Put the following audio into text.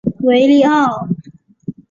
维尼奥。